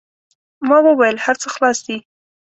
ما و ویل: هر څه خلاص دي.